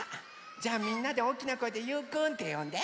じゃあみんなでおおきなこえで「ゆうくん」ってよんで。